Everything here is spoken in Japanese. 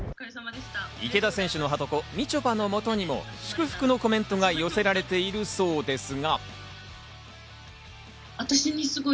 池田選手のはとこ、みちょぱの、もとにも祝福のコメントが寄せられているそうですが。